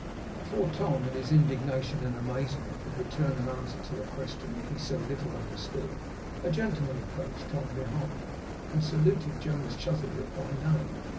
Before Tom, in his indignation and amazement, could return an answer to a question he so little understood, a gentleman approached Tom behind, and saluted Jonas Chuzzlewit by name.